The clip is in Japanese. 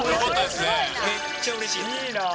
めっちゃうれしいです。